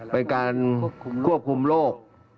เป็นการควบคุมโรค